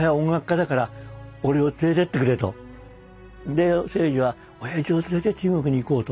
で征爾は親父を連れて中国に行こうと。